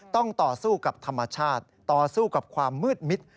ต่อสู้กับธรรมชาติต่อสู้กับความมืดมิด